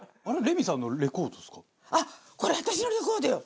あっこれ私のレコードよ。